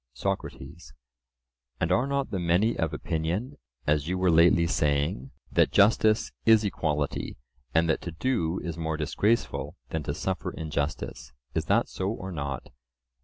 SOCRATES: And are not the many of opinion, as you were lately saying, that justice is equality, and that to do is more disgraceful than to suffer injustice?—is that so or not?